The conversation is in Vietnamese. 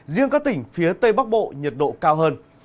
riêng các tỉnh phía tây bắc bộ nhiệt độ cao hơn